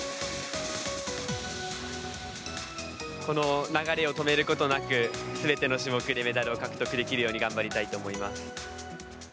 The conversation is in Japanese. この流れを止めることなく、すべての種目でメダルを獲得できるように頑張りたいと思います。